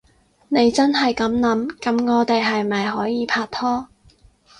你真係噉諗？噉我哋係咪可以拍拖？